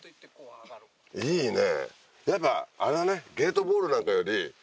いいね。